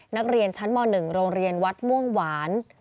นักเรียนชั้นมหนึ่งโรงเรียนวัฒน์ม่วงหวาน